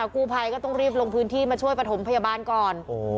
กู้ภัยก็ต้องรีบลงพื้นที่มาช่วยประถมพยาบาลก่อน